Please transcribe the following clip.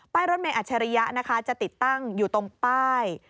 รถเมยอัจฉริยะนะคะจะติดตั้งอยู่ตรงป้าย